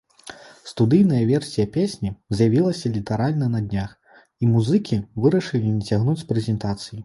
Студыйная версія песні з'явілася літаральна на днях, і музыкі вырашылі не цягнуць з прэзентацыяй.